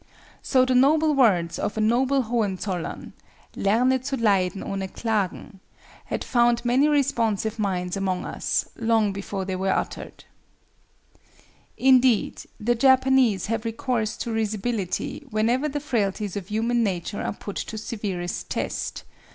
So the noble words of a noble Hohenzollern—"Lerne zu leiden ohne Klagen"—had found many responsive minds among us, long before they were uttered. Indeed, the Japanese have recourse to risibility whenever the frailties of human nature are put to severest test.